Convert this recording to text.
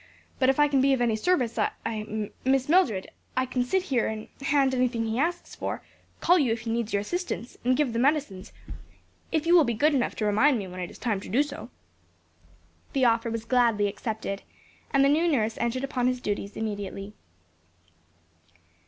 But if I can be of any service, I Miss Mildred, I can sit here and hand anything he asks for, call you if he needs your assistance, and give the medicines, if you will be good enough to remind me when it is time to do so." The offer was gladly accepted and the new nurse entered upon his duties immediately.